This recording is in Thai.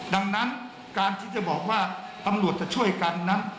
ดังนั้นการที่จะบอกว่าตำรวจจะช่วยกันนั้น